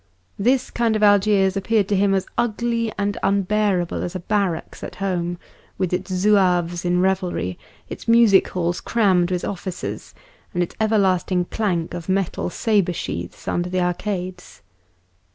This kind of Algiers appeared to him as ugly and unbearable as a barracks at home, with its Zouaves in revelry, its music halls crammed with officers, and its everlasting clank of metal sabre sheaths under the arcades.